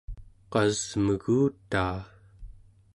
qasmegutaa